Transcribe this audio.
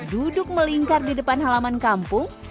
duduk melingkar di depan halaman kampung